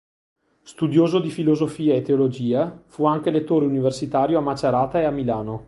Studioso di filosofia e teologia, fu anche lettore universitario a Macerata e a Milano.